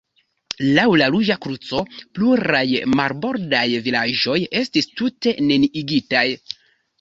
Laŭ la Ruĝa Kruco, pluraj marbordaj vilaĝoj estis tute neniigitaj.